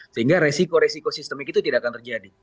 sehingga resiko resiko sistemik itu tidak akan terjadi